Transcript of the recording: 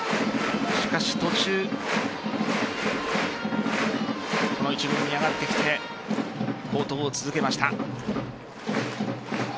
しかし途中この一軍に上がってきて好投を続けました。